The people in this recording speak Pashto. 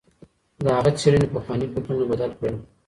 د هغه څېړنې پخواني فکرونه بدل کړل.